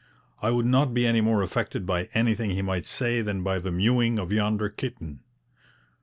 'I would not be any more affected by anything he might say than by the mewing of yonder kitten.'